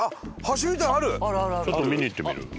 ちょっと見に行ってみる？